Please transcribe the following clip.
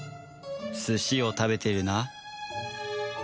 すしを食べているな